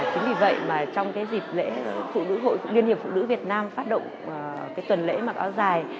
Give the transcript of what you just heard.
chính vì vậy mà trong dịp lễ liên hiệp phụ nữ việt nam phát động tuần lễ mặc áo dài